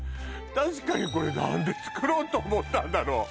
確かにこれ何で作ろうと思ったんだろう